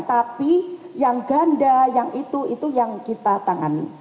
tapi yang ganda yang itu itu yang kita tangani